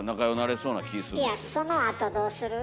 いやそのあとどうする？